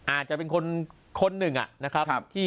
อาจจะเป็นคนหนึ่งนะครับ